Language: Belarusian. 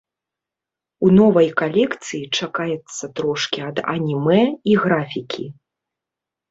У новай калекцыі чакаецца трошкі ад анімэ і графікі.